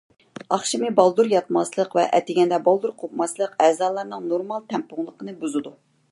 ئاخشىمى بالدۇر ياتماسلىق ۋە ئەتىگەندە بالدۇر قوپماسلىق ئەزالارنىڭ نورمال تەڭپۇڭلۇقىنى بۇزىدۇ.